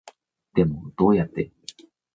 でもどうやって